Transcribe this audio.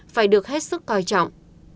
phải được hết sức coi trọng